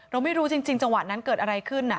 เราไม่รู้จริงจังหวะนั้นเกิดอะไรขึ้น